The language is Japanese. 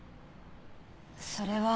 それは。